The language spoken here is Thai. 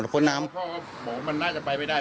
หรือพวกเขาบอกว่ามันน่าจะไปไม่ได้